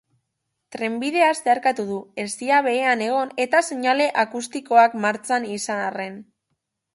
Trenbidea zeharkatu du, hesia behean egon eta seinale akustikoak martxan izan arren.